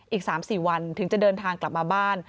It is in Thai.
อีก๓๔วันถึงจะเดินทางกลับมาบ้าน